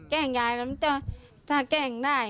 แกล้งยายถ้าแกล้งได้